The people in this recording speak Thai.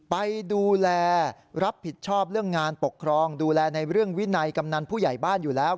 ไปดูแลรับผิดชอบเรื่องงานปกครองดูแลในเรื่องวินัยกำนันผู้ใหญ่บ้านอยู่แล้ว